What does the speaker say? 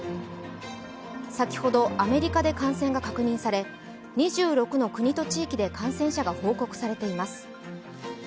先ほどアメリカで感染が確認され、２６の国と地域で感染者が報告されています。